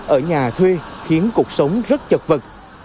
ở nhà thuê khiến cuộc sống rất chật vật